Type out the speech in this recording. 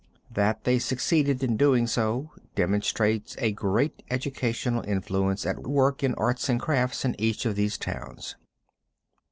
That they succeeded in doing so demonstrates a great educational influence at work in arts and crafts in each of these towns.